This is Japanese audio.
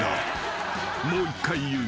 ［もう１回言う］